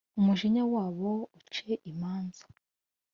Umujinya wabo uce imanza